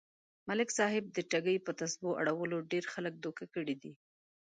ملک صاحب د ټگۍ يه تسبو اړولو ډېر خلک دوکه کړي دي.